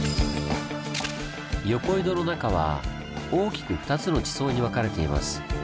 横井戸の中は大きく２つの地層に分かれています。